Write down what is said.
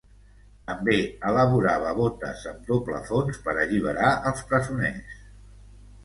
També elaborava botes amb doble fons per alliberar els presoners.